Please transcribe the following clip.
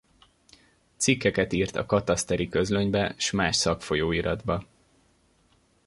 Cikkeket írt a Kataszteri Közlönybe s más szakfolyóiratba.